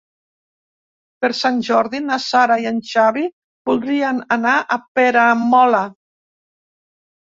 Per Sant Jordi na Sara i en Xavi voldrien anar a Peramola.